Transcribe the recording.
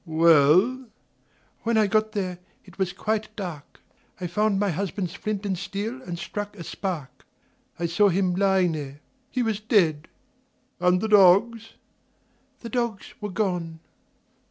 "Well ?" "When I got there it was quite dark. I found my husband's flint and steel and struck a spark. I saw him lying there. He was dead." "And the dogs?" "The dogs were gone."